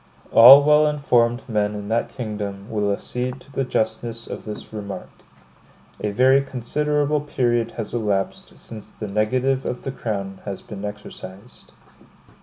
All well informed men in that kingdom will accede to the justness of this remark. A very considerable period has elapsed since the negative of the crown has been exercised.